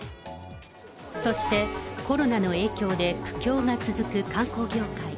そして、コロナの影響で苦境が続く観光業界。